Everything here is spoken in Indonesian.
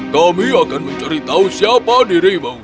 kami akan mencari tahu siapa dirimu